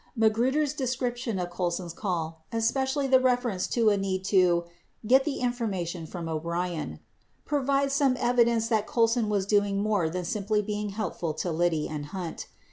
89 Magruder's description of Colson's call, especially the reference to a need to "get the information from O'Brien," 90 provides some evi dence that Colson was doing more than simply being helpful to Liddy and Hunt.